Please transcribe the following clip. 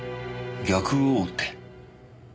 逆王手。